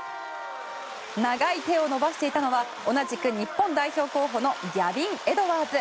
長い手を伸ばしていたのは同じく日本代表候補のギャビン・エドワーズ。